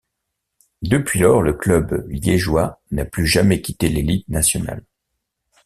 Depuis lors, le club liégeois n'a plus jamais quitté l'élite nationale.